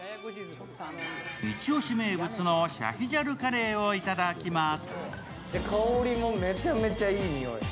イチ押し名物のシャヒジャルカレーを頂きます。